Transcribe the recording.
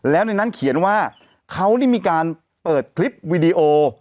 แล้วในนั้นเขียนว่าเขานี่มีการเปิดคลิปวิดีโอ